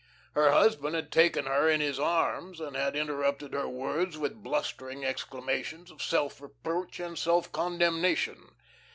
Her husband had taken her in his arms, and had interrupted her words with blustering exclamations of self reproach and self condemnation.